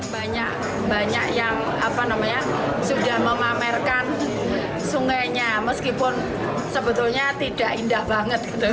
banyak banyak yang sudah memamerkan sungainya meskipun sebetulnya tidak indah banget gitu